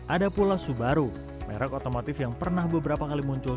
ada pula subaru merek otomotif yang pernah beberapa kali muncul